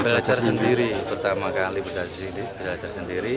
belajar sendiri pertama kali belajar sendiri